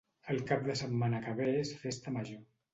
El cap de setmana que ve és festa major.